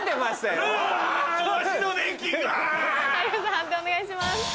判定お願いします。